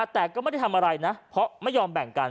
แต่ก็ไม่ได้ทำอะไรนะเพราะไม่ยอมแบ่งกัน